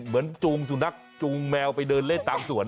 เหมือนจูงจุ่นักจูงแมวไปเดินเล่นตามส่วน